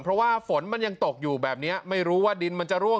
เพราะว่าฝนมันยังตกอยู่แบบนี้ไม่รู้ว่าดินมันจะร่วง